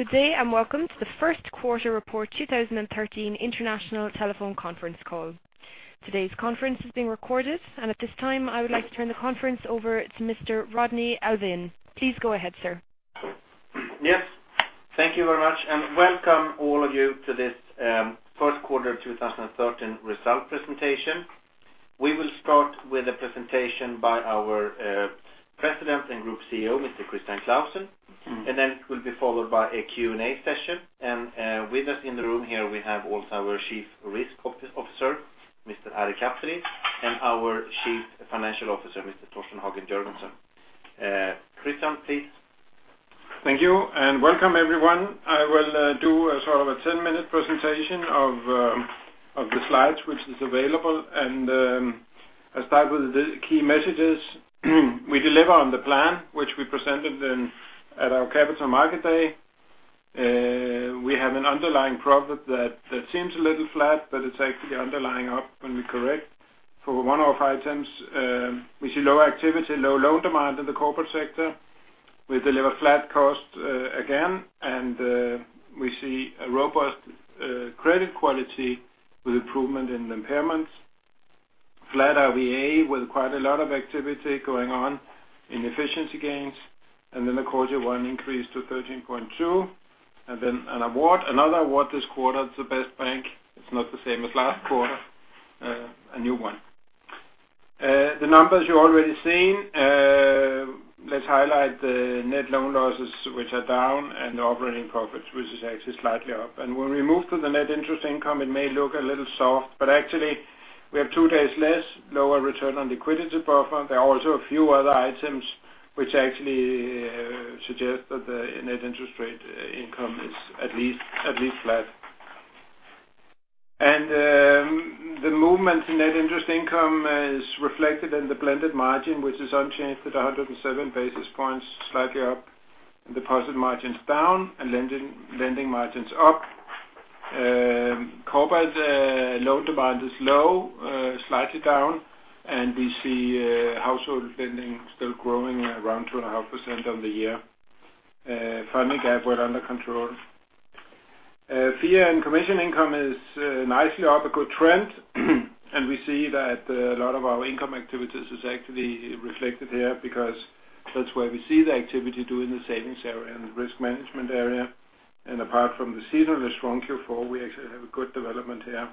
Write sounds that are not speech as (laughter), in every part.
Good day. Welcome to the first quarter report 2013 international telephone conference call. Today's conference is being recorded. At this time, I would like to turn the conference over to Mr. Rodney Alfvén. Please go ahead, sir. Yes. Thank you very much. Welcome all of you to this first quarter of 2013 result presentation. We will start with a presentation by our President and Group CEO, Mr. Christian Clausen. It will be followed by a Q&A session. With us in the room here, we have also our Chief Risk Officer, Mr. Ari Kaperi, and our Chief Financial Officer, Mr. Torsten Hagen Jørgensen. Christian, please. Thank you. Welcome everyone. I will do a sort of a 10-minute presentation of the slides, which is available. I'll start with the key messages. We deliver on the plan, which we presented at our Capital Markets Day. We have an underlying profit that seems a little flat, but it's actually underlying up when we correct for one-off items. We see low activity, low loan demand in the corporate sector. We deliver flat cost again. We see a robust credit quality with improvement in impairments. Flat RWA with quite a lot of activity going on in efficiency gains. The quarter one increase to 13.2%. Another award this quarter to Best Bank. It's not the same as last quarter, a new one. The numbers you've already seen. Let's highlight the net loan losses, which are down. The operating profits, which is actually slightly up. When we move to the net interest income, it may look a little soft, but actually, we have two days less lower return on liquidity buffer. There are also a few other items which actually suggest that the net interest income is at least flat. The movement in net interest income is reflected in the blended margin, which is unchanged at 107 basis points, slightly up. Deposit margins down. Lending margins up. Corporate loan demand is low, slightly down. We see household lending still growing around 2.5% on the year. Funding gap well under control. Fee and commission income is nicely up, a good trend. We see that a lot of our income activities is actually reflected here because that's where we see the activity due in the savings area and the risk management area. Apart from the seasonal strong Q4, we actually have a good development here.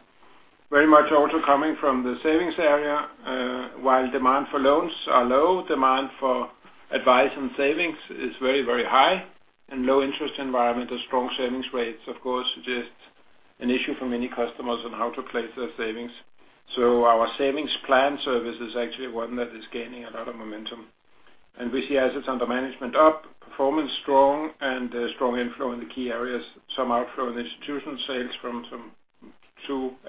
Very much also coming from the savings area. While demand for loans are low, demand for advice on savings is very high. Low interest environment and strong savings rates, of course, suggest an issue for many customers on how to place their savings. Our savings plan service is actually one that is gaining a lot of momentum. We see assets under management up, performance strong, and strong inflow in the key areas. Some outflow in institution sales from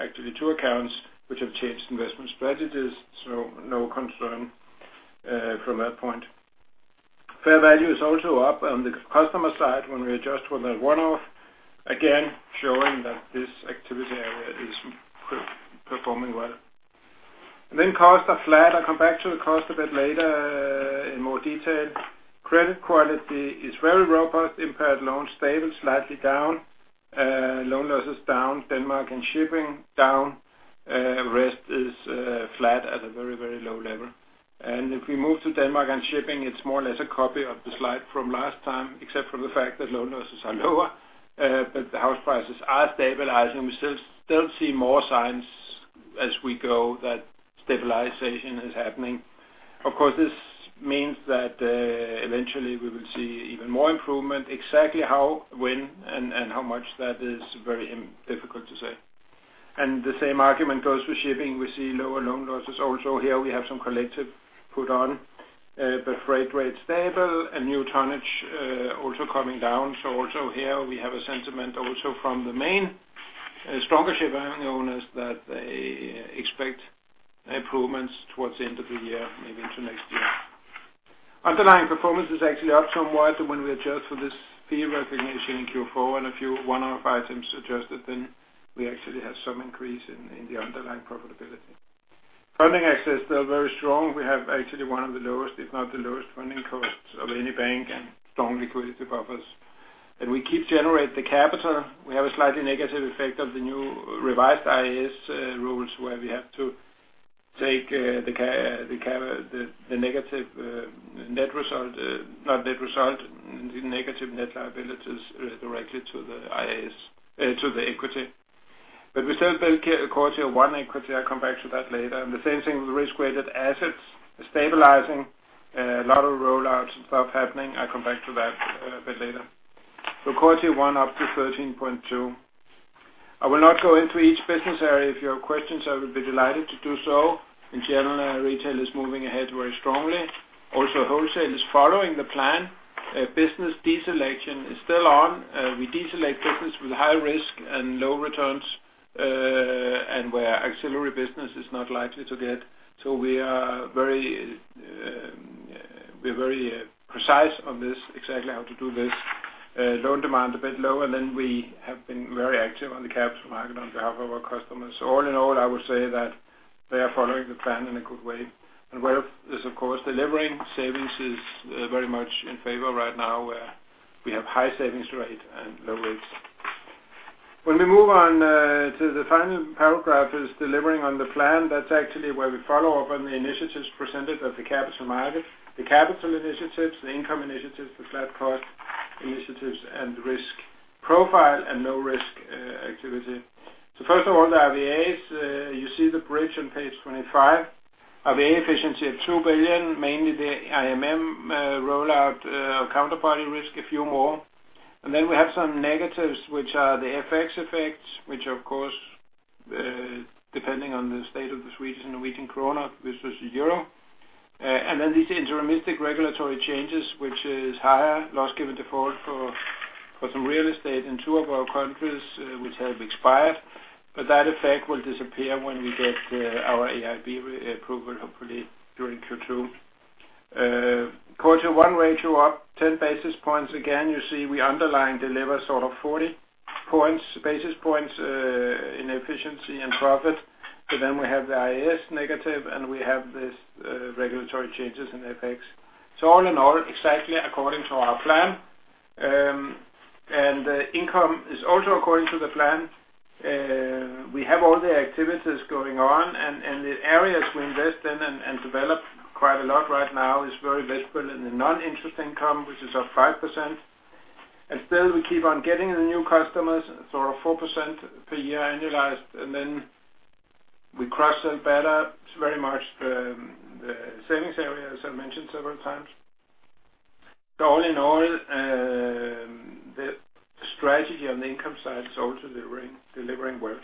actually two accounts which have changed investment strategies, so no concern from that point. Fair value is also up on the customer side when we adjust for that one-off, again, showing that this activity area is performing well. Costs are flat. I'll come back to the cost a bit later in more detail. Credit quality is very robust, impaired loans stable, slightly down. Loan losses down, Denmark and shipping down. Rest is flat at a very, very low level. If we move to Denmark and shipping, it's more or less a copy of the slide from last time, except for the fact that loan losses are lower. The house prices are stabilizing. We still see more signs as we go that stabilization is happening. Of course, this means that eventually we will see even more improvement. Exactly how, when, and how much, that is very difficult to say. The same argument goes for shipping. We see lower loan losses also here. We have some collective put on, but freight rates stable and new tonnage also coming down. Also here we have a sentiment also from the main stronger ship owners that they expect improvements towards the end of the year, maybe into next year. Underlying performance is actually up somewhat when we adjust for this fee recognition in Q4 and a few one-off items adjusted, then we actually have some increase in the underlying profitability. Funding access still very strong. We have actually one of the lowest, if not the lowest funding costs of any bank and strong liquidity buffers. We keep generating the capital. We have a slightly negative effect of the new revised IAS rules, where we have to take the negative net liabilities directly to the equity. We still build quarter one equity. I'll come back to that later. The same thing with risk-weighted assets stabilizing, a lot of roll-outs and stuff happening. I'll come back to that a bit later. Quarter one up to 13.2. I will not go into each business area. If you have questions, I will be delighted to do so. In general, retail is moving ahead very strongly. Also, wholesale is following the plan. Business deselection is still on. We deselect business with high risk and low returns, and where auxiliary business is not likely to get. We are very precise on this, exactly how to do this. Loan demand a bit lower than we have been very active on the capital market on behalf of our customers. All in all, I would say that they are following the plan in a good way. Wealth is, of course, delivering savings is very much in favor right now where we have high savings rate and low rates. When we move on to the final paragraph, we are delivering on the plan. That's actually where we follow up on the initiatives presented at the capital market, the capital initiatives, the income initiatives, the flat cost initiatives, and risk profile and low-risk activity. First of all, the IBAs, you see the bridge on page 25. IBA efficiency of 2 billion, mainly the IMM rollout of counterparty risk, a few more. Then we have some negatives, which are the FX effects, which, of course, depending on the state of the Swedish and Norwegian krona versus EUR. Then these intermittent regulatory changes, which is higher loss-given default for some real estate in two of our countries which have expired. That effect will disappear when we get our AIRB approval, hopefully during Q2. Quarter one ratio up 10 basis points. Again, you see we underlying deliver sort of 40 basis points in efficiency and profit. Then we have the IAS negative, and we have this regulatory changes in FX. All in all, exactly according to our plan. Income is also according to the plan. We have all the activities going on, and the areas we invest in and develop quite a lot right now is very visible in the non-interest income, which is up 5%. Still we keep on getting the new customers, sort of 4% per year annualized, and then we cross-sell better. It's very much the savings area, as I mentioned several times. All in all, the strategy on the income side is also delivering well.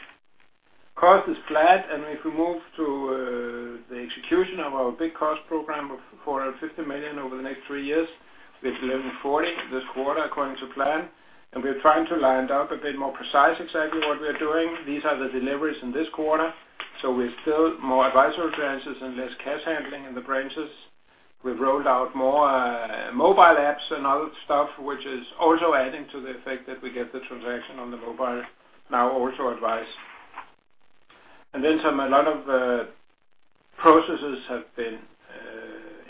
Cost is flat, and if we move to the execution of our big cost program of 450 million over the next three years, we've delivered 40 this quarter according to plan. We're trying to line up a bit more precise exactly what we are doing. These are the deliveries in this quarter. We've still more advisory branches and less cash handling in the branches. We've rolled out more mobile apps and other stuff, which is also adding to the effect that we get the transaction on the mobile, now also advice. Then a lot of processes have been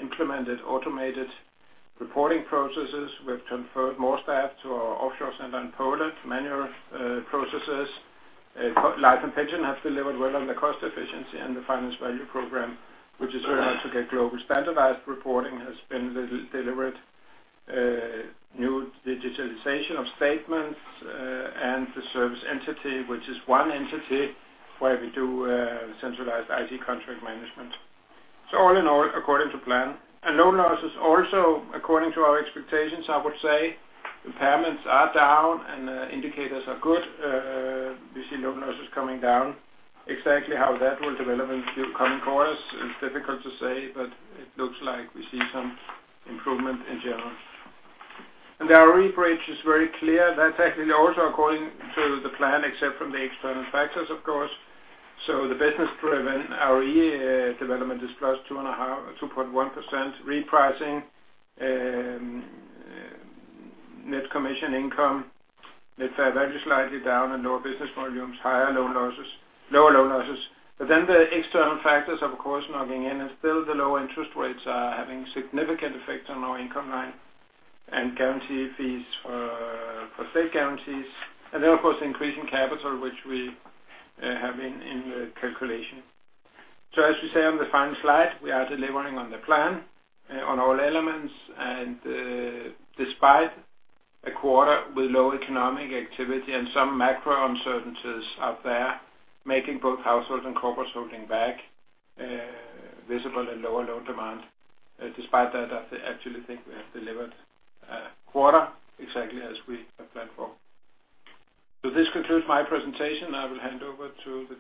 implemented, automated reporting processes. We've transferred more staff to our offshore center in Poland, manual processes. Life and pension have delivered well on the cost efficiency and the Finance Value Program, which is very much to get global standardized reporting has been delivered. New digitalization of statements, and the service entity, which is one entity where we do centralized IT contract management. All in all, according to plan. Loan losses also according to our expectations, I would say. Impairments are down, and indicators are good. We see loan losses coming down. Exactly how that will develop in the coming quarters is difficult to say, but it looks like we see some improvement in general. The ROE bridge is very clear. That's actually also according to the plan, except from the external factors, of course. The business-driven ROE development is +2.1% repricing, net commission income, net fee very slightly down and lower business volumes, lower loan losses. Then the external factors are of course knocking in, and still the lower interest rates are having significant effect on our income line. Guarantee fees for state guarantees. Of course, increasing capital, which we have in the calculation. As we say on the final slide, we are delivering on the plan on all elements. Despite a quarter with low economic activity and some macro uncertainties out there making both households and corporates holding back visible and lower loan demand, despite that, I actually think we have delivered a quarter exactly as we had planned for. This concludes my presentation. I will hand over to the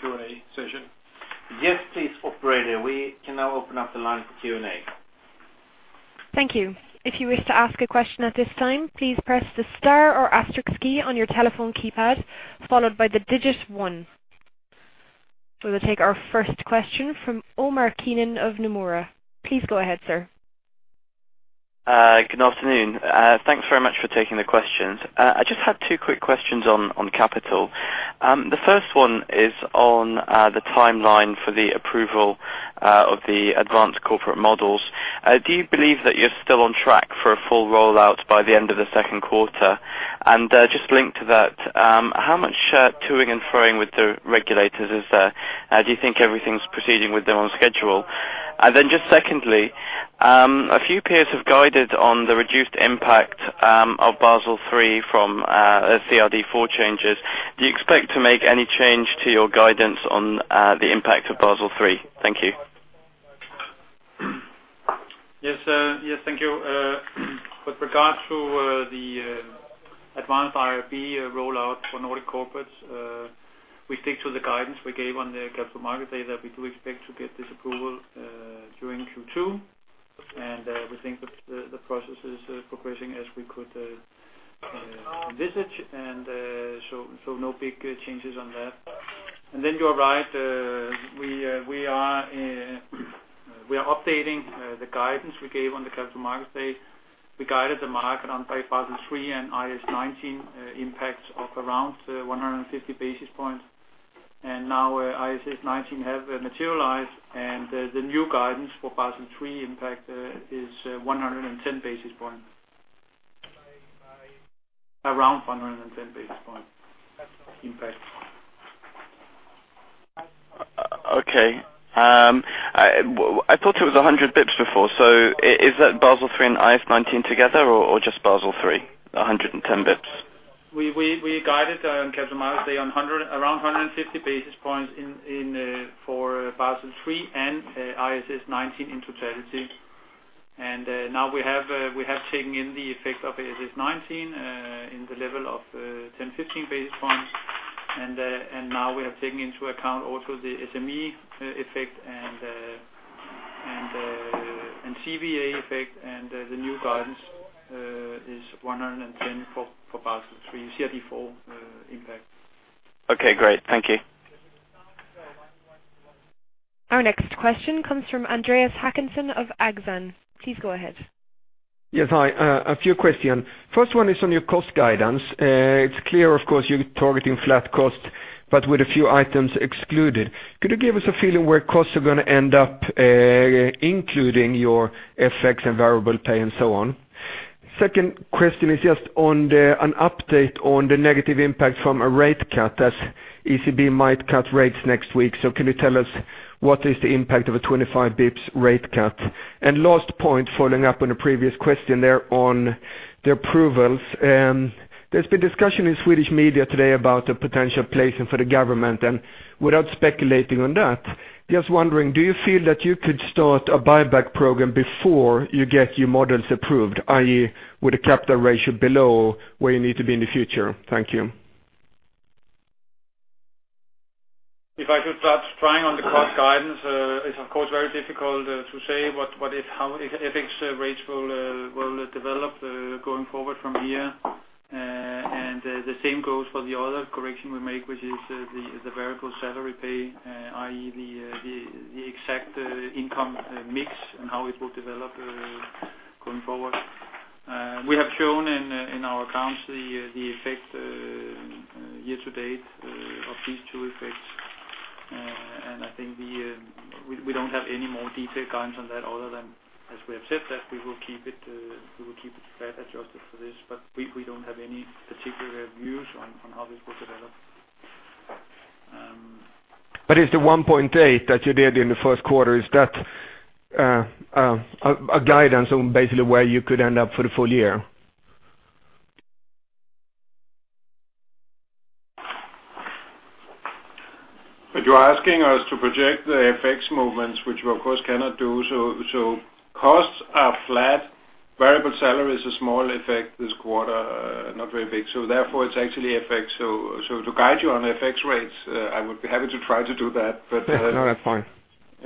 Q&A session. Yes, please, operator. We can now open up the line for Q&A. Thank you. If you wish to ask a question at this time, please press the star or asterisk key on your telephone keypad, followed by the digit 1. We'll take our first question from Omar Keenan of Nomura. Please go ahead, sir. Good afternoon. Thanks very much for taking the questions. I just had two quick questions on capital. The first one is on the timeline for the approval of the advanced corporate models. Do you believe that you're still on track for a full rollout by the end of the second quarter? Just linked to that, how much toing and froing with the regulators is there? Do you think everything's proceeding with their own schedule? Just secondly, a few peers have guided on the reduced impact of Basel III from CRD IV changes. Do you expect to make any change to your guidance on the impact of Basel III? Thank you. Yes. Thank you. With regards to the advanced IRB rollout for Nordic Corporates, we stick to the guidance we gave on the Capital Markets Day that we do expect to get this approval during Q2. We think that the process is progressing as we could envisage, no big changes on that. You are right, we are updating the guidance we gave on the Capital Markets Day. We guided the market on Basel III and IAS 19 impacts of around 150 basis points. Now IAS 19 have materialized, the new guidance for Basel III impact is 110 basis points. By? Around 110 basis point impact. Okay. I thought it was 100 bips before. Is that Basel III and IAS 19 together or just Basel III, 110 bips? We guided on capital models around 150 basis points for Basel III and IAS 19 in totality. Now we have taken in the effect of IAS 19 in the level of 10-15 basis points. Now we have taken into account also the SME effect and CVA effect, and the new guidance is 110 for Basel III, CRD IV impact. Okay, great. Thank you. Our next question comes from Andreas Håkansson of Exane. Please go ahead. Yes. Hi. A few questions. First one is on your cost guidance. It's clear, of course, you're targeting flat cost, but with a few items excluded. Could you give us a feeling where costs are going to end up, including your FX and variable pay and so on? Second question is just an update on the negative impact from a rate cut, as ECB might cut rates next week. Can you tell us what is the impact of a 25 basis points rate cut? Last point, following up on a previous question there on the approvals. There's been discussion in Swedish media today about the potential placing for the government. Without speculating on that, just wondering, do you feel that you could start a buyback program before you get your models approved, i.e., with a capital ratio below where you need to be in the future? Thank you. If I could start trying on the cost guidance. It's of course very difficult to say how FX rates will develop going forward from here. The same goes for the other correction we make, which is the variable salary pay, i.e., the exact income mix and how it will develop going forward. We have shown in our accounts the effect year to date of these two effects. I think we don't have any more detailed guidance on that other than, as we have said, that we will keep it flat adjusted for this, but we don't have any particular views on how this will develop. Is the 1.8 that you did in the first quarter, is that a guidance on basically where you could end up for the full year? You're asking us to project the FX movements, which we of course cannot do. Costs are flat. Variable salary is a small effect this quarter, not very big. Therefore it's actually FX. To guide you on FX rates, I would be happy to try to do that. No, that's fine.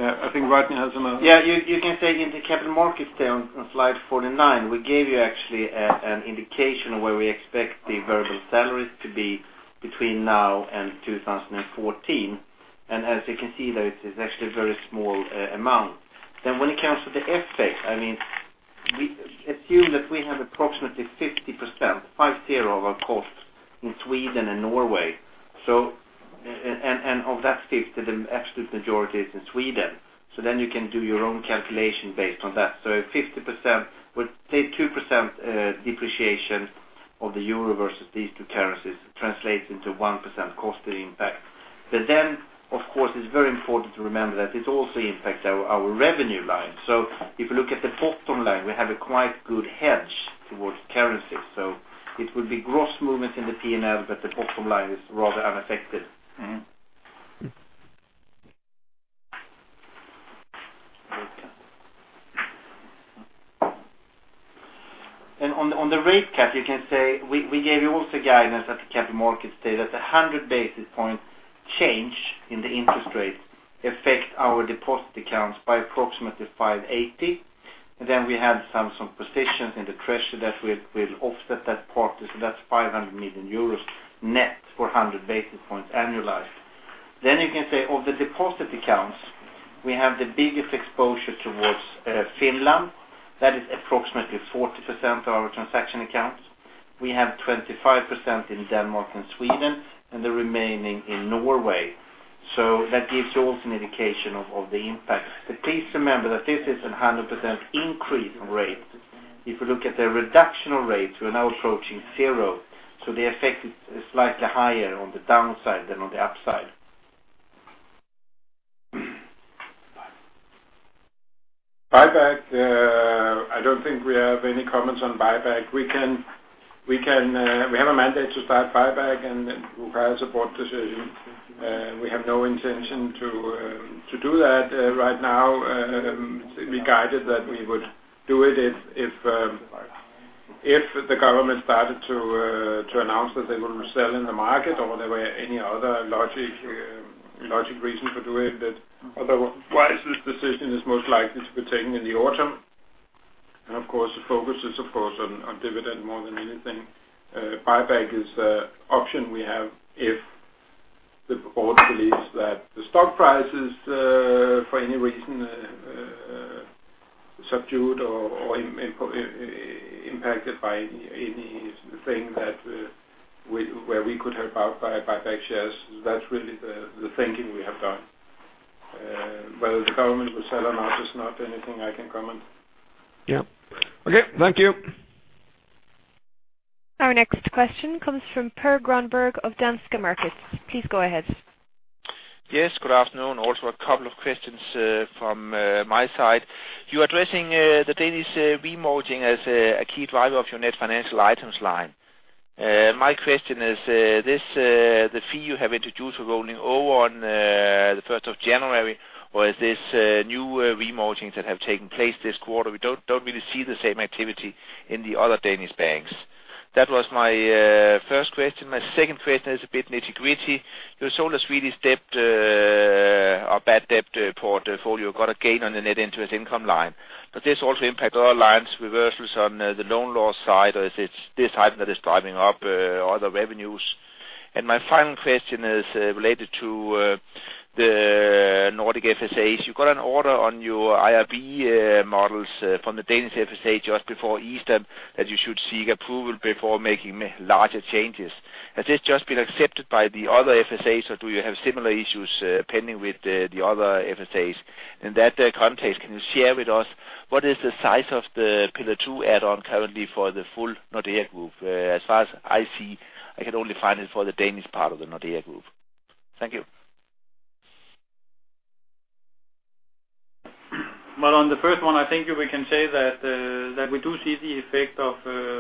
I think Rodney has another. You can say in the Capital Markets Day on slide 49, we gave you actually an indication of where we expect the variable salaries to be between now and 2014. As you can see there, it is actually a very small amount. When it comes to the FX, we assume that we have approximately 50% of our cost in Sweden and Norway. Of that 50, the absolute majority is in Sweden. You can do your own calculation based on that. 50%, we'll say 2% depreciation of the euro versus these two currencies translates into 1% cost impact. Of course, it's very important to remember that this also impacts our revenue line. If you look at the bottom line, we have a quite good hedge towards currency. It will be gross movements in the P&L, but the bottom line is rather unaffected. On the rate cut, you can say we gave you also guidance at the Capital Markets Day that 100 basis points change in the interest rates affect our deposit accounts by approximately 580. We have some positions in the treasury that will offset that partly. That's 500 million euros net for 100 basis points annualized. Of the deposit accounts, we have the biggest exposure towards Finland. That is approximately 40% of our transaction accounts. We have 25% in Denmark and Sweden, and the remaining in Norway. That gives you also an indication of the impact. Please remember that this is 100% increase on rates. If you look at the reduction of rates, we're now approaching zero, the effect is slightly higher on the downside than on the upside. Buyback, I don't think we have any comments on buyback. We have a mandate to start buyback, it requires a board decision. We have no intention to do that right now. We guided that we would do it if the government started to announce that they will sell in the market or there were any other logical reason for doing that. Otherwise, this decision is most likely to be taken in the autumn. Of course, the focus is on dividend more than anything. Buyback is an option we have if the board believes that the stock price is for any reason Subdued or impacted by anything where we could help out by buyback shares. That's really the thinking we have done. Whether the government will sell or not is not anything I can comment. Yeah. Okay. Thank you. Our next question comes from Per Granberg of Danske Markets. Please go ahead. Yes, good afternoon. Also, a couple of questions from my side. You are addressing the Danish remortgaging as a key driver of your net financial items line. My question is, the fee you have introduced rolling over on the 1st of January, or is this new remortgaging that have taken place this quarter? We don't really see the same activity in the other Danish banks. That was my first question. My second question is a bit nitty-gritty. You sold a Swedish debt, a bad debt portfolio, got a gain on the net interest income line, but this also impact other lines, reversals on the loan loss side, or is it this item that is driving up other revenues? My final question is related to the Nordic FSAs. You got an order on your IRB models from the Danish FSA just before Easter, that you should seek approval before making larger changes. Has this just been accepted by the other FSAs or do you have similar issues pending with the other FSAs? In that context, can you share with us what is the size of the Pillar 2 add-on currently for the full Nordea Group? As far as I see, I can only find it for the Danish part of the Nordea Group. Thank you. Well, on the first one, I think we can say that we do see the effect of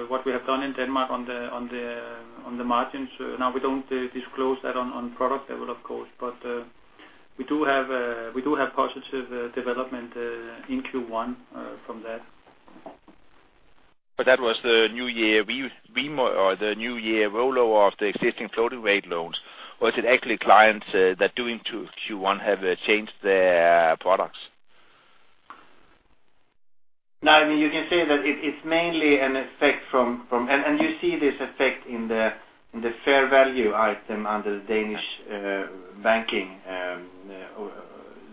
what we have done in Denmark on the margins. Now, we don't disclose that on product level, of course, but we do have positive development in Q1 from that. That was the new year rollover of the existing floating rate loans. Is it actually clients that during Q1 have changed their products? No, you can say that it's mainly an effect from. You see this effect in the fair value item under the Danish banking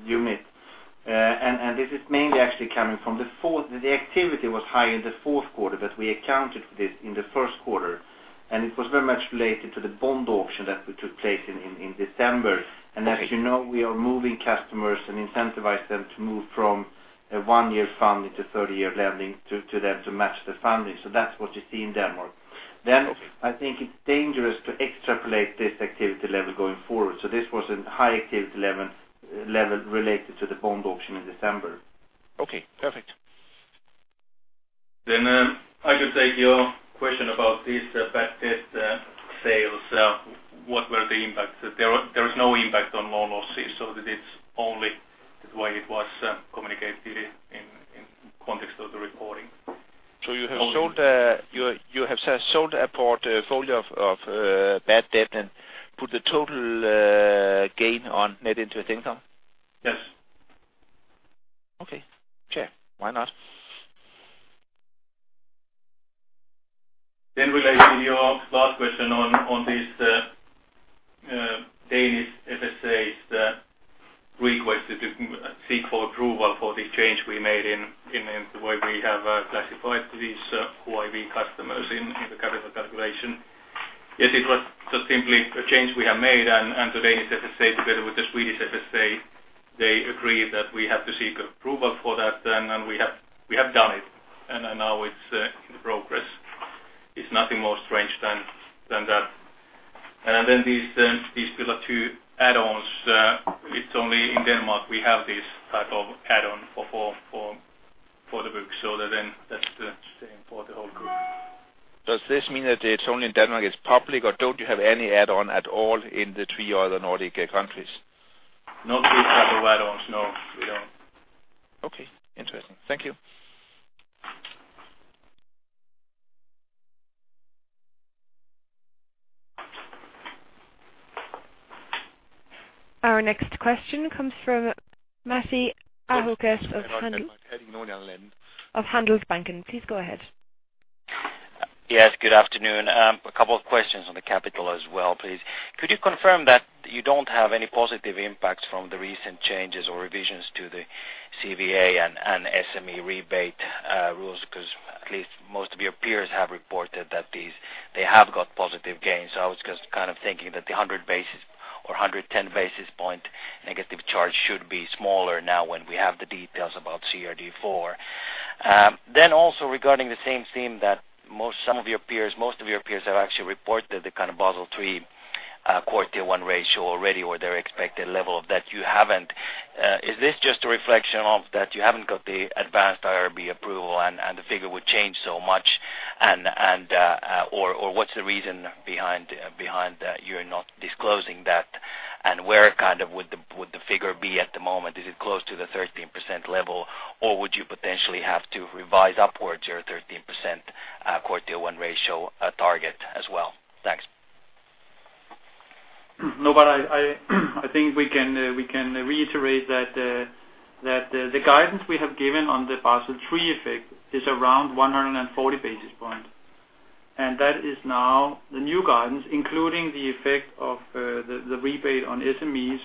unit. The activity was high in the fourth quarter, but we accounted for this in the first quarter, and it was very much related to the bond auction that took place in December. Okay. As you know, we are moving customers and incentivize them to move from a one-year funding to 30-year lending to them to match the funding. That's what you see in Denmark. Okay. I think it's dangerous to extrapolate this activity level going forward. This was a high activity level related to the bond auction in December. Okay, perfect. I could take your question about these bad debt sales. What were the impacts? There is no impact on loan losses, so that it's only the way it was communicated in context of the reporting. You have sold a portfolio of bad debt and put the total gain on net interest income? Yes. Okay, sure. Why not? Relating to your last question on this Danish FSA's request to seek for approval for the change we made in the way we have classified these OIV customers in the capital calculation. Yes, it was just simply a change we have made, and today's, (inaudible) together with the Swedish FSA, they agreed that we have to seek approval for that then, and we have done it, and now it's in progress. It's nothing more strange than that. These Pillar 2 add-ons, it's only in Denmark we have this type of add-on for the books so that then that's the same for the whole group. Does this mean that it's only in Denmark it's public, or don't you have any add-on at all in the three other Nordic countries? Not this type of add-ons, no. We don't. Okay. Interesting. Thank you. Our next question comes from Matti Ahokas of Handelsbanken. Please go ahead. Yes, good afternoon. A couple of questions on the capital as well, please. Could you confirm that you don't have any positive impacts from the recent changes or revisions to the CVA and SME rebate rules? At least most of your peers have reported that they have got positive gains. I was just thinking that the 100 basis or 110 basis point negative charge should be smaller now when we have the details about CRD IV. Also regarding the same theme that some of your peers, most of your peers have actually reported the Basel III Core Tier 1 ratio already or their expected level that you haven't. Is this just a reflection of that you haven't got the advanced IRB approval and the figure would change so much? What's the reason behind you not disclosing that? Where would the figure be at the moment? Is it close to the 13% level, or would you potentially have to revise upwards your 13% Core Tier 1 ratio target as well? Thanks. I think we can reiterate that the guidance we have given on the Basel III effect is around 140 basis points That is now the new guidance, including the effect of the rebate on SMEs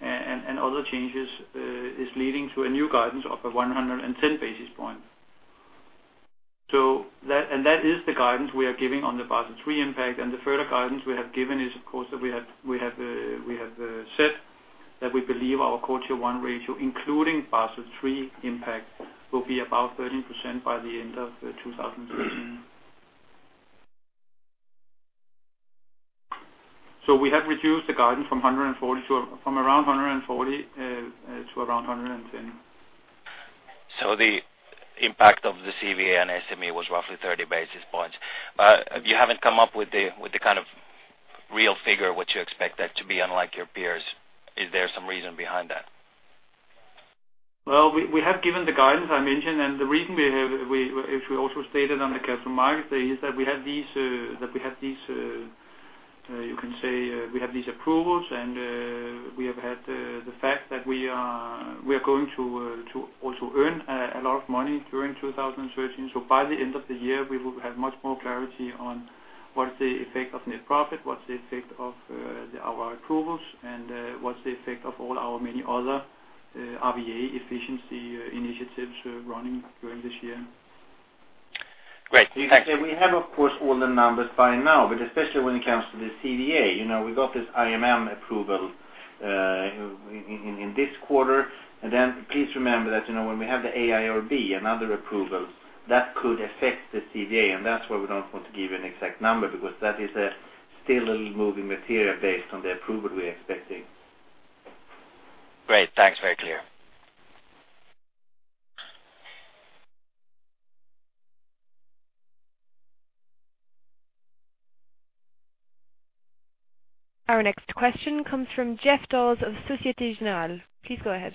and other changes, is leading to a new guidance of a 110 basis point. That is the guidance we are giving on the Basel III impact. The further guidance we have given is, of course, that we have said that we believe our quarter one ratio, including Basel III impact, will be about 13% by the end of 2013. We have reduced the guidance from around 140 to around 110. The impact of the CVA and SME was roughly 30 basis points. You haven't come up with the kind of real figure, what you expect that to be unlike your peers. Is there some reason behind that? We have given the guidance I mentioned, and the reason we have, as we also stated on the Capital Markets Day, is that we have these approvals and we have had the fact that we are going to also earn a lot of money during 2013. By the end of the year, we will have much more clarity on what is the effect of net profit, what's the effect of our approvals, and what's the effect of all our many other RWA efficiency initiatives running during this year. Great. Thanks. We have, of course, all the numbers by now, but especially when it comes to the CVA, we got this IMM approval in this quarter. Then please remember that when we have the AIRB and other approvals, that could affect the CVA, and that's why we don't want to give an exact number, because that is still a little moving material based on the approval we are expecting. Great. Thanks. Very clear. Our next question comes from Geoff Dawes of Societe Generale. Please go ahead.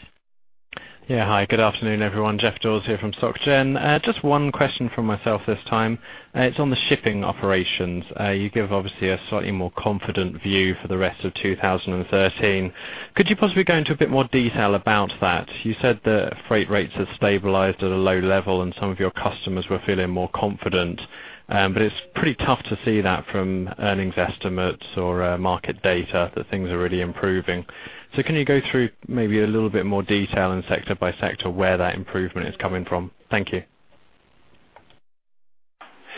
Hi, good afternoon, everyone. Geoff Dawes here from Société Générale. Just one question from myself this time. It's on the shipping operations. You give obviously a slightly more confident view for the rest of 2013. Could you possibly go into a bit more detail about that? You said the freight rates have stabilized at a low level, and some of your customers were feeling more confident. It's pretty tough to see that from earnings estimates or market data, that things are really improving. Can you go through maybe a little bit more detail and sector by sector where that improvement is coming from? Thank you.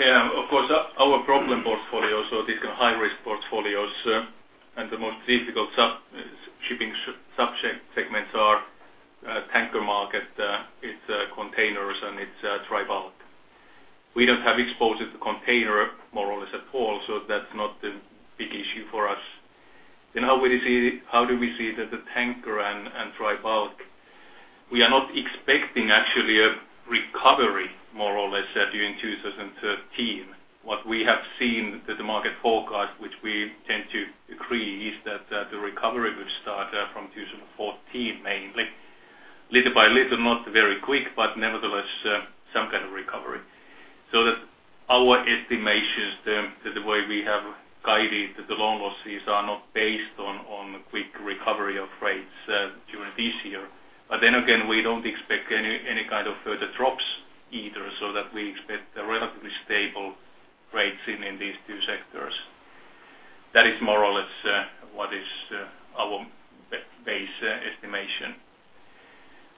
Of course. Our problem portfolios or these high-risk portfolios and the most difficult shipping subsegments are tanker market, it's containers, and it's dry bulk. We don't have exposure to container more or less at all, so that's not the big issue for us. How do we see the tanker and dry bulk? We are not expecting actually a recovery more or less during 2013. What we have seen that the market forecast, which we tend to agree, is that the recovery would start from 2014 mainly. Little by little, not very quick, but nevertheless, some kind of recovery. Our estimations, the way we have guided the loan losses are not based on a quick recovery of rates during this year. Again, we don't expect any kind of further drops either, so that we expect a relatively stable rates in these two sectors. That is more or less what is our base estimation.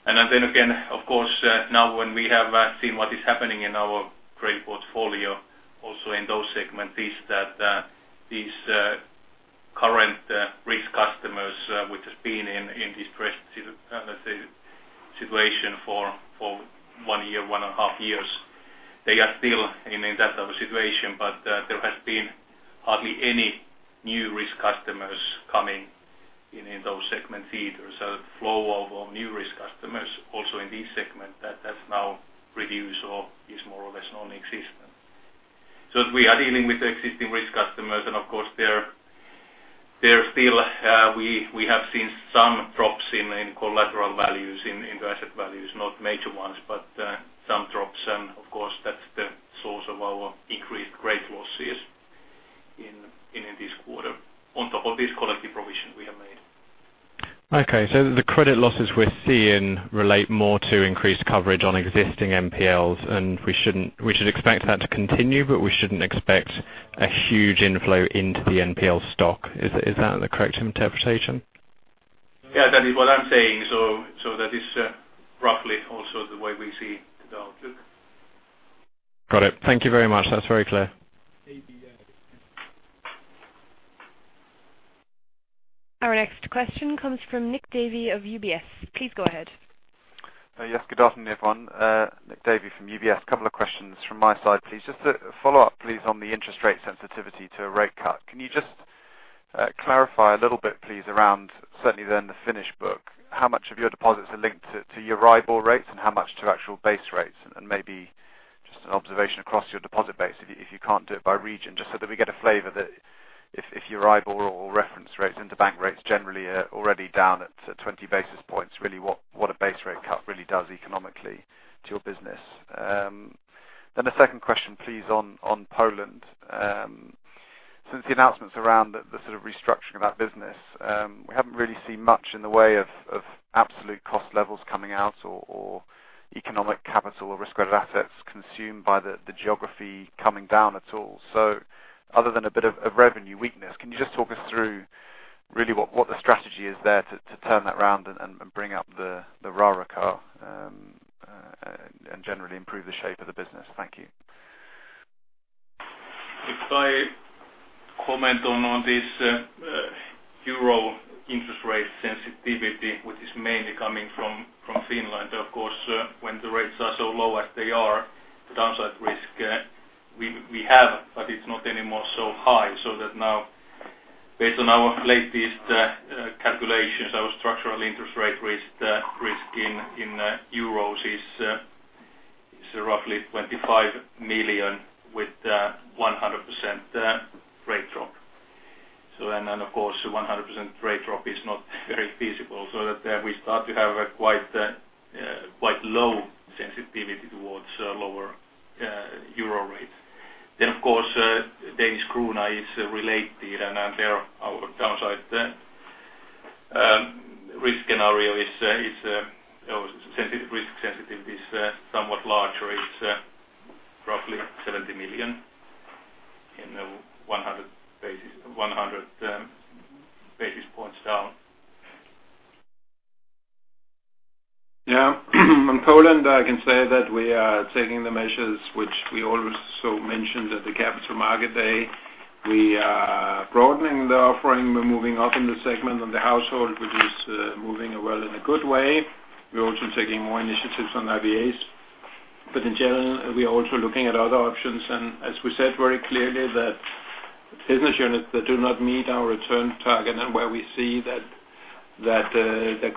Then again, of course, now when we have seen what is happening in our trade portfolio also in those segments, is that these current risk customers which has been in distressed situation for one year, one and a half years, they are still in that type of situation, but there has been hardly any new risk customers coming in those segments either. The flow of new risk customers also in this segment that's now reduced or is more or less non-existent. We are dealing with existing risk customers, and of course, we have seen some drops in collateral values, in the asset values. Not major ones, but some drops, and of course, that's the source of our increased [great] losses in this quarter on top of this collective provision we have made. Okay. The credit losses we're seeing relate more to increased coverage on existing NPLs, and we should expect that to continue, but we shouldn't expect a huge inflow into the NPL stock. Is that the correct interpretation? Yeah, that is what I'm saying. That is roughly also the way we see the outlook. Got it. Thank you very much. That's very clear. Our next question comes from Nick Davey of UBS. Please go ahead. Yes, good afternoon, everyone. Nick Davey from UBS. Couple of questions from my side, please. Just to follow up, please, on the interest rate sensitivity to a rate cut. Can you just clarify a little bit, please, around certainly then the Finnish book, how much of your deposits are linked to your IBOR rates and how much to actual base rates? Maybe just an observation across your deposit base, if you can't do it by region, just so that we get a flavor that if your IBOR or reference rates, interbank rates generally are already down at 20 basis points, really what a base rate cut really does economically to your business. A second question, please, on Poland. Since the announcements around the restructuring of that business, we haven't really seen much in the way of absolute cost levels coming out or economic capital or risk-weighted assets consumed by the geography coming down at all. Other than a bit of revenue weakness, can you just talk us through really what the strategy is there to turn that around and bring up the RAROCA, and generally improve the shape of the business? Thank you. If I comment on this euro interest rate sensitivity, which is mainly coming from Finland, of course, when the rates are so low as they are, the downside risk we have, but it's not anymore so high. Now, based on our latest calculations, our structural interest rate risk in EUR is roughly 25 million with 100% rate drop. Of course, 100% rate drop is not very feasible, so that we start to have a quite low sensitivity towards lower euro rate. Of course, DKK is related, and there our downside risk scenario or risk sensitivity is somewhat larger. It's roughly 70 million in 100 basis points down. On Poland, I can say that we are taking the measures which we also mentioned at the Capital Markets Day. We're broadening the offering. We're moving up in the segment on the household, which is moving well in a good way. We're also taking more initiatives on IBAs. In general, we are also looking at other options, and as we said very clearly that business units that do not meet our return target and where we see that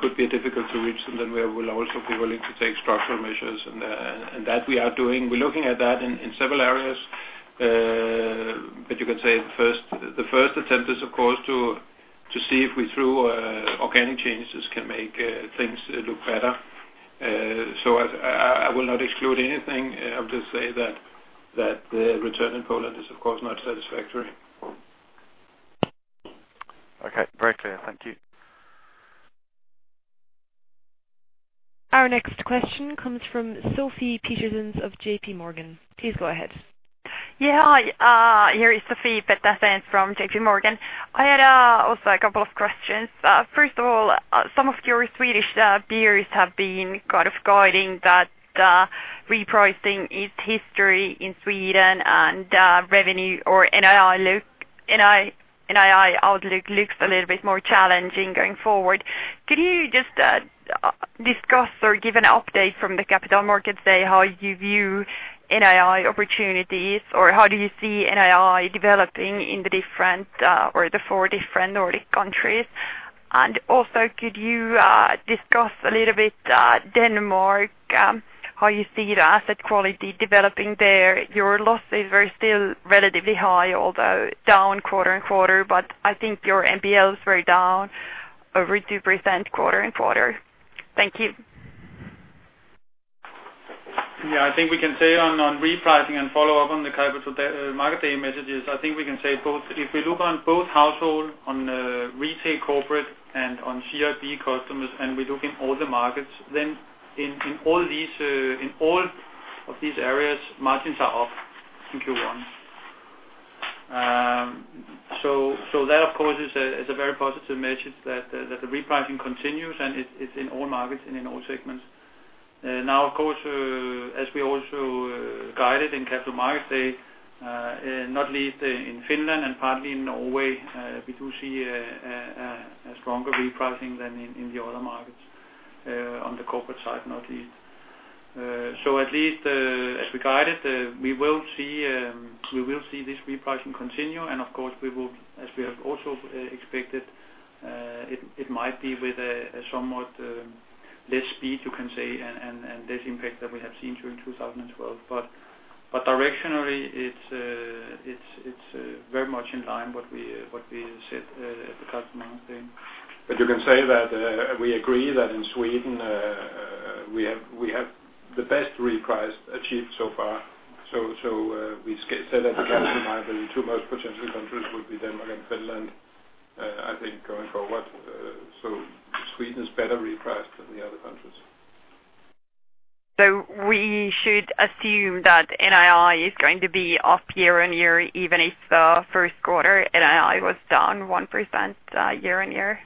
could be difficult to reach, then we will also be willing to take structural measures. That we are doing. We're looking at that in several areas. You can say the first attempt is, of course, to see if we, through organic changes, can make things look better. I will not exclude anything. I'll just say that the return in Poland is, of course, not satisfactory. Okay. Very clear. Thank you. Our next question comes from Sophie Petersen of JP Morgan. Please go ahead. Here is Sophie Petersen from JP Morgan. I had also a couple of questions. First of all, some of your Swedish peers have been kind of guiding that repricing is history in Sweden, and revenue or NII outlook looks a little bit more challenging going forward. Could you just discuss or give an update from the Capital Markets Day how you view NII opportunities, or how do you see NII developing in the four different Nordic countries? Also, could you discuss a little bit Denmark, how you see the asset quality developing there? Your losses were still relatively high, although down quarter-over-quarter, but I think your NPLs were down over 2% quarter-over-quarter. Thank you. I think we can say on repricing and follow up on the Capital Markets Day messages, I think we can say both. If we look on both household, on retail, corporate, and on CIB customers, and we look in all the markets, then in all of these areas, margins are up in Q1. That of course is a very positive message that the repricing continues, and it's in all markets and in all segments. Of course, as we also guided in Capital Markets Day, not least in Finland and partly in Norway, we do see a stronger repricing than in the other markets on the corporate side, not least. At least as we guided, we will see this repricing continue, and of course we will, as we have also expected it might be with a somewhat less speed, you can say, and less impact than we have seen during 2012. Directionally, it's very much in line what we said at the Capital Markets Day. You can say that we agree that in Sweden, we have the best reprice achieved so far. We said at the Capital Markets, the two most potential countries would be Denmark and Finland, I think, going forward. Sweden's better repriced than the other countries. We should assume that NII is going to be up year-on-year, even if the first quarter NII was down 1% year-on-year?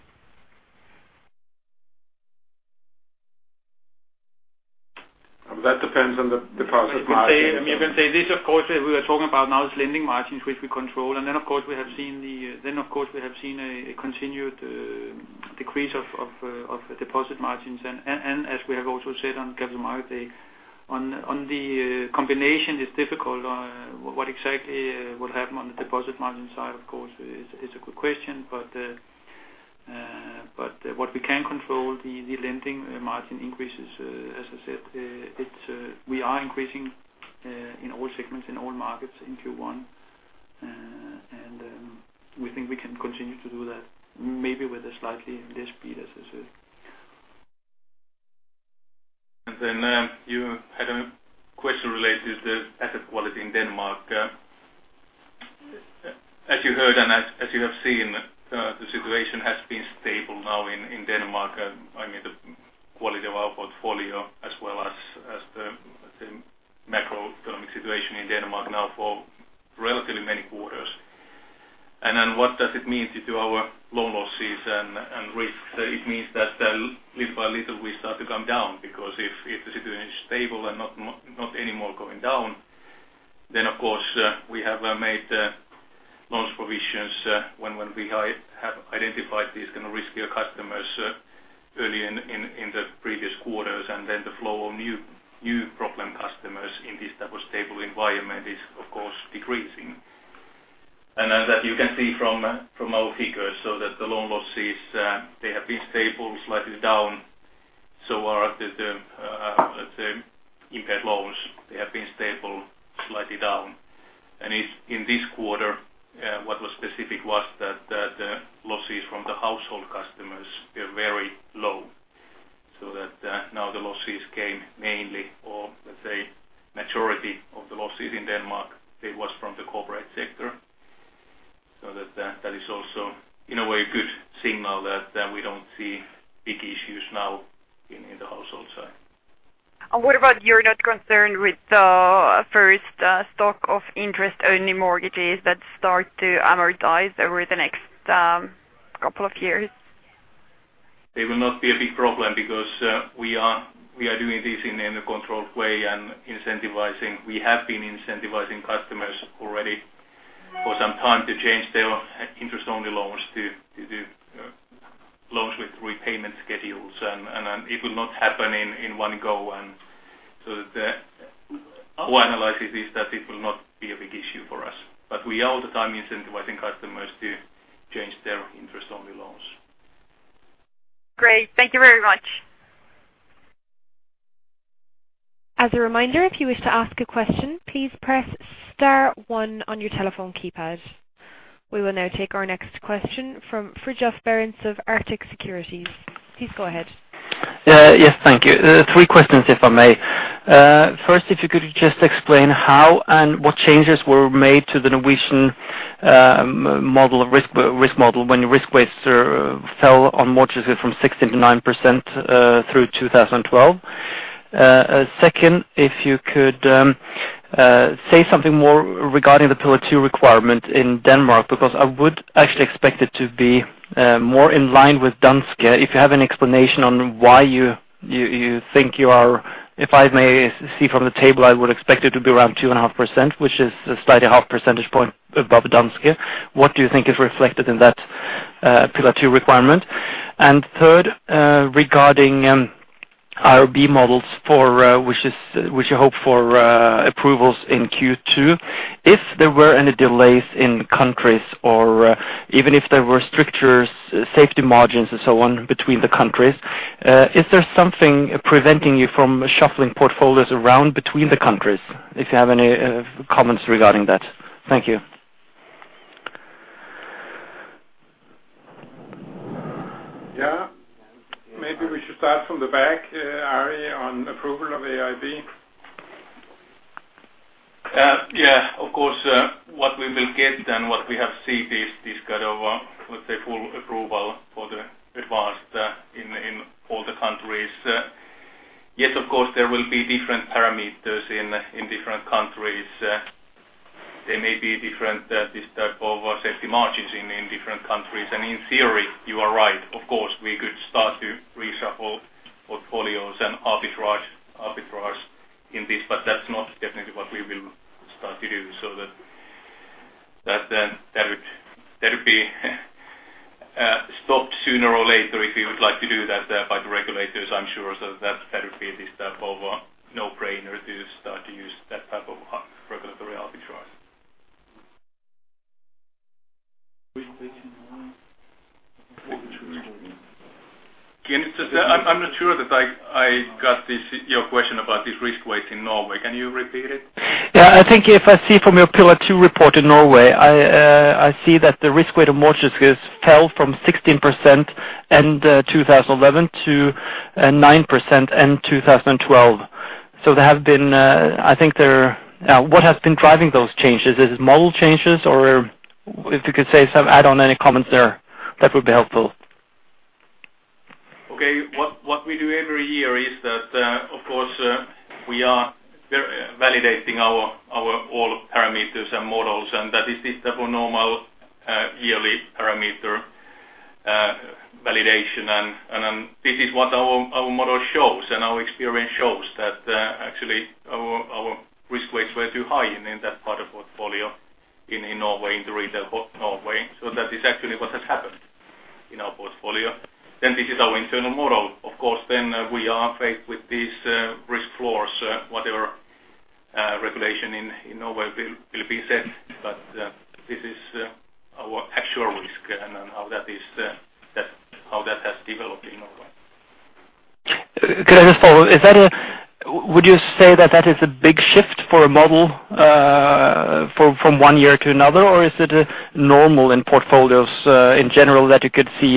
That depends on the deposit margin. You can say this, of course, we are talking about now is lending margins, which we control. Then of course, we have seen a continued decrease of deposit margins. As we have also said on Capital Markets Day, on the combination, it is difficult what exactly would happen on the deposit margin side, of course, is a good question. What we can control, the lending margin increases. As I said, we are increasing in all segments, in all markets in Q1. We think we can continue to do that maybe with a slightly less speed, as I said. Then you had a question related to the asset quality in Denmark. As you heard and as you have seen, the situation has been stable now in Denmark. The quality of our portfolio as well as the macroeconomic situation in Denmark now for relatively many quarters. Then what does it mean to our loan losses and risks? It means that little by little we start to come down because if the situation is stable and not anymore going down, then of course, we have made loans provisions when we have identified these riskier customers early in the previous quarters, and then the flow of new problem customers in this type of stable environment is, of course, decreasing. As you can see from our figures, so that the loan losses, they have been stable, slightly down. So are the impaired loans. They have been stable, slightly down. In this quarter, what was specific was that the losses from the household customers were very low. That now the losses came mainly, or let us say, majority of the losses in Denmark, it was from the corporate sector. That is also, in a way, good signal that we don't see big issues now in the household side. What about you're not concerned with [first stock] of interest-only mortgages that start to amortize over the next couple of years? They will not be a big problem because we are doing this in a controlled way and incentivizing. We have been incentivizing customers already for some time to change their interest-only loans to do loans with repayment schedules, and it will not happen in one go. Our analysis is that it will not be a big issue for us. We all the time incentivizing customers to change their interest-only loans. Great. Thank you very much. As a reminder, if you wish to ask a question, please press star one on your telephone keypad. We will now take our next question from Fridtjof Bernt of Arctic Securities. Please go ahead. Yes. Thank you. Three questions, if I may. First, if you could just explain how and what changes were made to the Norwegian risk model when risk weights fell on mortgages from 16% to 9% through 2012. Second, if you could say something more regarding the Pillar 2 requirement in Denmark, because I would actually expect it to be more in line with Danske. If I may see from the table, I would expect it to be around 2.5%, which is a slightly half percentage point above Danske. What do you think is reflected in that Pillar 2 requirement? Third, regarding IRB models which you hope for approvals in Q2. If there were any delays in countries or even if there were strictures, safety margins and so on between the countries, is there something preventing you from shuffling portfolios around between the countries? If you have any comments regarding that. Thank you. Yeah. Maybe we should start from the back, Ari, on approval of AIRB. Yeah, of course, what we will get and what we have seen is this kind of, let's say, full approval for the advanced in all the countries. Yes, of course, there will be different parameters in different countries. There may be different this type of safety margins in different countries. In theory, you are right. Of course, we could start to reshuffle portfolios and arbitrage in this, but that's not definitely what we will start to do. That would be stopped sooner or later if you would like to do that by the regulators, I'm sure. That would be this type of no-brainer to start to use that type of regulatory arbitrage. I'm not sure that I got your question about this risk weights in Norway. Can you repeat it? Yeah. I think if I see from your Pillar 2 report in Norway, I see that the risk-weighted mortgages fell from 16% end 2011 to 9% end 2012. What has been driving those changes? Is it model changes, or if you could say some add on any comments there, that would be helpful. Okay. What we do every year is that, of course, we are validating our all parameters and models, and that is this type of normal yearly parameter validation. This is what our model shows and our experience shows that actually our risk weights were too high in that part of portfolio in Norway, in the retail Norway. That is actually what has happened in our portfolio. This is our internal model. Of course, we are faced with these risk floors, whatever regulation in Norway will be set. This is our actual risk and how that has developed in Norway. Could I just follow? Would you say that is a big shift for a model from one year to another, or is it normal in portfolios in general that you could see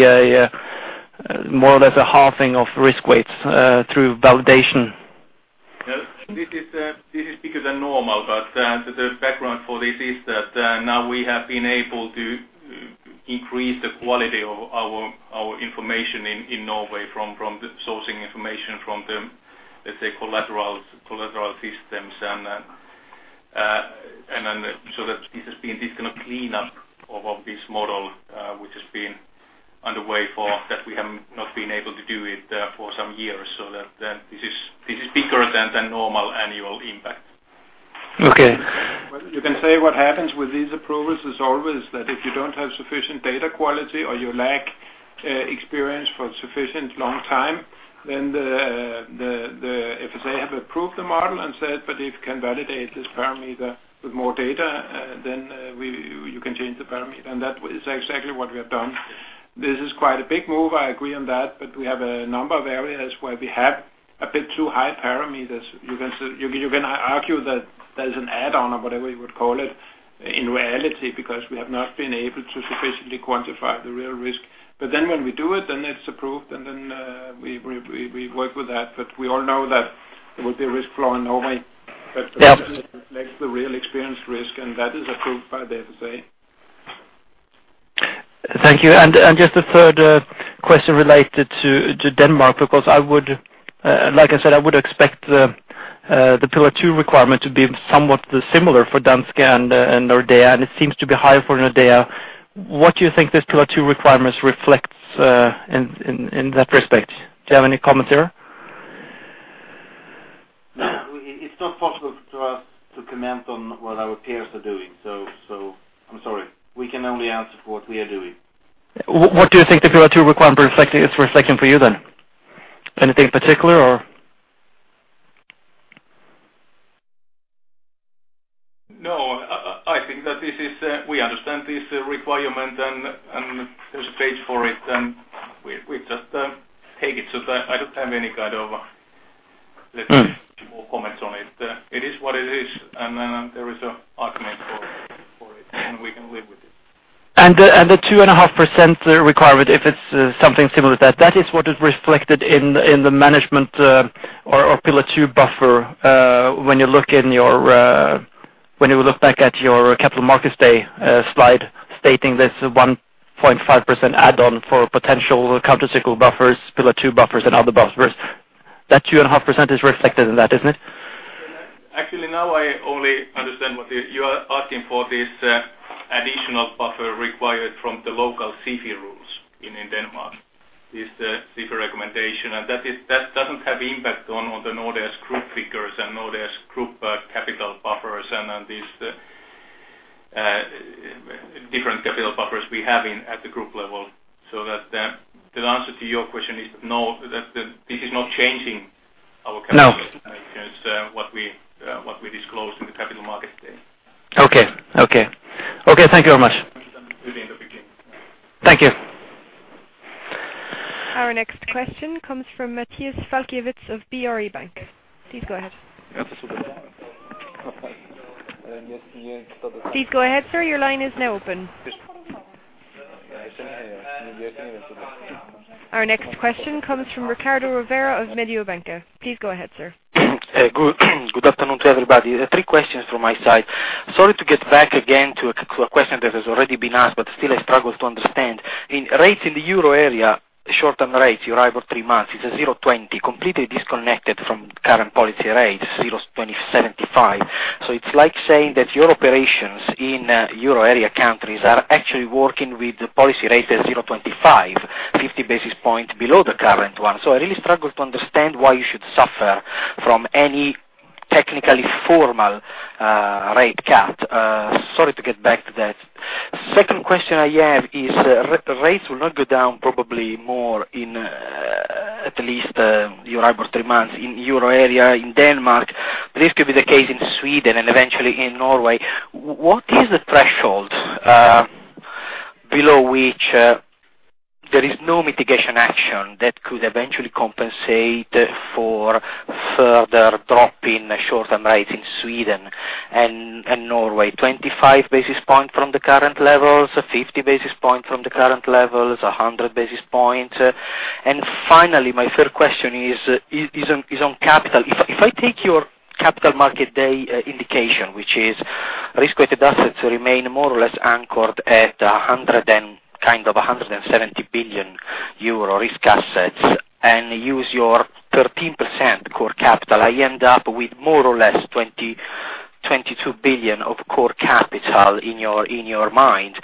more or less a halving of risk weights through validation? This is bigger than normal, but the background for this is that now we have been able to increase the quality of our information in Norway from the sourcing information from them, let's say collateral systems. This has been this kind of cleanup of this model which has been underway, that we have not been able to do it for some years, so this is bigger than normal annual impact. Okay. You can say what happens with these approvals is always that if you don't have sufficient data quality or you lack experience for sufficient long time, then the FSA have approved the model and said, "But if you can validate this parameter with more data, then you can change the parameter." That is exactly what we have done. This is quite a big move, I agree on that, but we have a number of areas where we have a bit too high parameters. You can argue that there's an add-on, or whatever you would call it, in reality, because we have not been able to sufficiently quantify the real risk. When we do it, then it's approved, and then we work with that. We all know that there will be risk floor in Norway. Yeah. The question reflects the real experience risk, and that is approved by the FSA. Thank you. Just a third question related to Denmark, because like I said, I would expect the Pillar 2 requirement to be somewhat similar for Danske and Nordea, and it seems to be higher for Nordea. What do you think this Pillar 2 requirements reflects in that respect? Do you have any comments here? No, it's not possible to us to comment on what our peers are doing. I'm sorry. We can only answer for what we are doing. What do you think the Pillar 2 requirement is reflecting for you then? Anything particular, or? No, I think that we understand this requirement, and there's a page for it, and we just take it. I don't have. additional comments on it. It is what it is, and then there is an argument for it, and we can live with it. The 2.5% requirement, if it's something similar to that is what is reflected in the management or Pillar 2 buffer, when you look back at your Capital Markets Day slide stating there's 1.5% add-on for potential countercyclical buffers, Pillar 2 buffers and other buffers. That 2.5% is reflected in that, isn't it? Actually, now I only understand what you are asking for this additional buffer required from the local CECL rules in Denmark, this CECL recommendation. That doesn't have impact on the Nordea's group figures and Nordea's group capital buffers and these different capital buffers we have at the group level. The answer to your question is no, that this is not changing our. No because what we disclose in the Capital Markets Day. Okay. Thank you very much. Understand within the beginning. Thank you. Our next question comes from Matthias Falkiewicz of BRE Bank. Please go ahead. Please go ahead, sir. Your line is now open. Our next question comes from Riccardo Rovere of Mediobanca. Please go ahead, sir. Good afternoon to everybody. Three questions from my side. Sorry to get back again to a question that has already been asked, but still I struggle to understand. In rates in the Euro Area, short-term rates, EURIBOR three months, it is 0.20, completely disconnected from current policy rates, 0.20, 0.75. It is like saying that your operations in Euro Area countries are actually working with policy rates at 0.25, 50 basis points below the current one. I really struggle to understand why you should suffer from any technically formal rate cut. Sorry to get back to that. Second question I have is, rates will not go down probably more in at least EURIBOR three months in Euro Area, in Denmark. This could be the case in Sweden and eventually in Norway. What is the threshold below which there is no mitigation action that could eventually compensate for further drop in short-term rates in Sweden and Norway? 25 basis points from the current levels, 50 basis points from the current levels, 100 basis points? Finally, my third question is on capital. If I take your Capital Markets Day indication, which is risk-weighted assets remain more or less anchored at kind of 170 billion euro risk assets and use your 13% Core capital, I end up with more or less 22 billion of Core capital in your mind.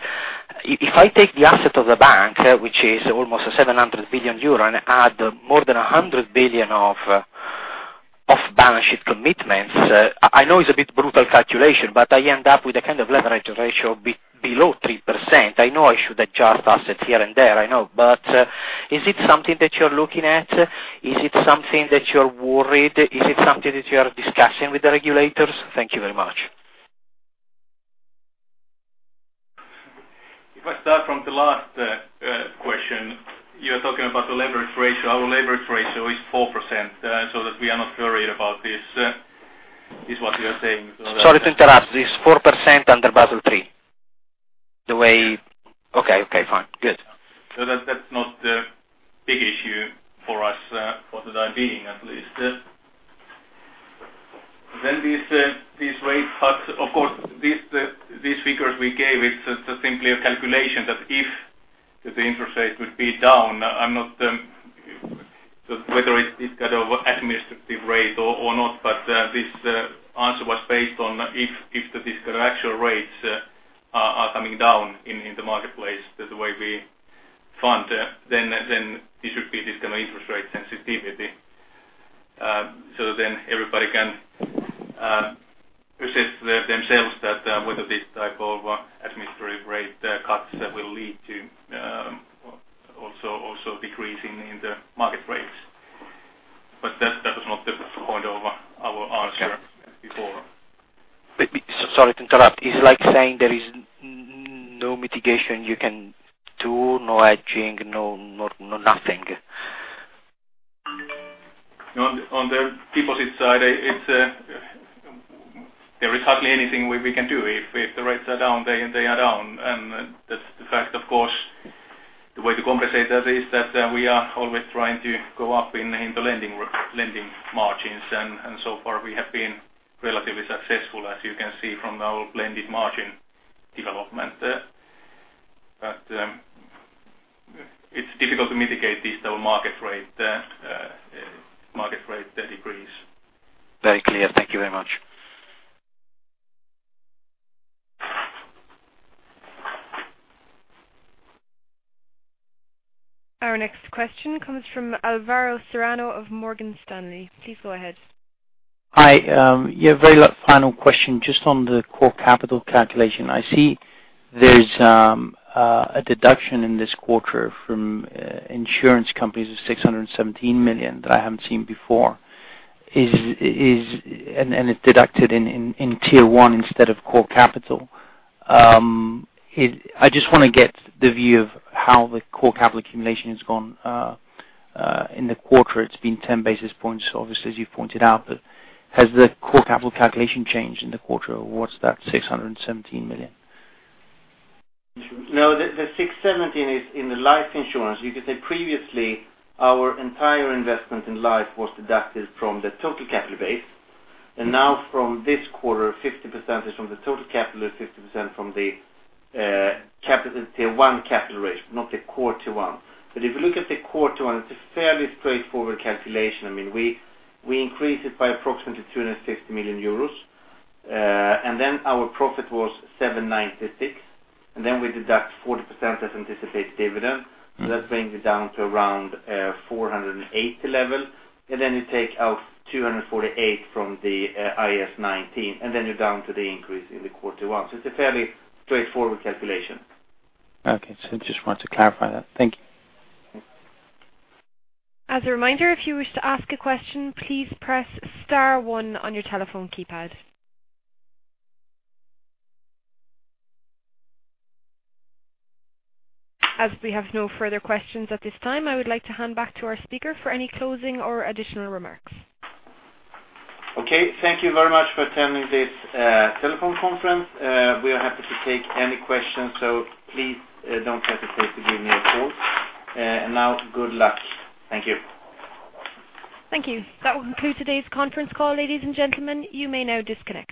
If I take the asset of the bank, which is almost 700 billion euro, and add more than 100 billion of off-balance sheet commitments, I know it is a bit brutal calculation, but I end up with a kind of leverage ratio below 3%. I know I should adjust assets here and there, I know, is it something that you're looking at? Is it something that you're worried? Is it something that you are discussing with the regulators? Thank you very much. If I start from the last question, you are talking about the leverage ratio. Our leverage ratio is 4%, we are not worried about this, is what we are saying. Sorry to interrupt. This 4% under Basel III? Okay, fine. Good. That is not the big issue for us, for the time being, at least. These rate cuts, of course, these figures we gave, it is simply a calculation that if the interest rate would be down, whether it is kind of administrative rate or not, but this answer was based on if the discount actual rates are coming down in the marketplace, the way we fund, then this should be this kind of interest rate sensitivity. Everybody can assess themselves that whether this type of administrative rate cuts that will lead to also decrease in the market rates. That was not the point of our answer before. Sorry to interrupt. It is like saying there is no mitigation you can do, no hedging, no nothing. On the deposit side, there is hardly anything we can do. If the rates are down, they are down. That's the fact, of course, the way to compensate that is that we are always trying to go up in the lending margins. So far we have been relatively successful, as you can see from our blended margin development. It's difficult to mitigate this total market rate decrease. Very clear. Thank you very much. Our next question comes from Alvaro Serrano of Morgan Stanley. Please go ahead. Hi. Yeah, very final question, just on the core capital calculation. I see there's a deduction in this quarter from insurance companies of 617 million that I haven't seen before. It's deducted in Tier 1 instead of core capital. I just want to get the view of how the core capital accumulation has gone. In the quarter, it's been 10 basis points, obviously, as you've pointed out. Has the core capital calculation changed in the quarter, or what's that 617 million? No, the 617 is in the life insurance. You could say previously our entire investment in life was deducted from the total capital base, and now from this quarter, 50% is from the total capital, 50% from the Tier 1 capital ratio, not the Core Tier 1. If you look at the Core Tier 1, it's a fairly straightforward calculation. We increased it by approximately 260 million euros, our profit was 796, and then we deduct 40% as anticipated dividend. That brings it down to around 480 level. You take out 248 from the IAS 19, and then you're down to the increase in the Core Tier 1. It's a fairly straightforward calculation. Okay. Just wanted to clarify that. Thank you. As a reminder, if you wish to ask a question, please press star one on your telephone keypad. As we have no further questions at this time, I would like to hand back to our speaker for any closing or additional remarks. Okay. Thank you very much for attending this telephone conference. We are happy to take any questions, please don't hesitate to give me a call. Now, good luck. Thank you. Thank you. That will conclude today's conference call, ladies and gentlemen. You may now disconnect.